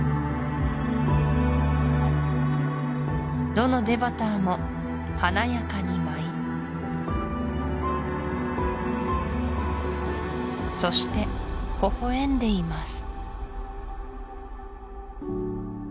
どのデヴァターも華やかに舞いそして微笑んでいます